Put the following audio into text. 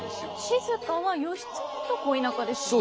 静は義経と恋仲ですよね。